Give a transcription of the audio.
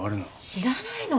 知らないの？